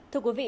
thưa quý vị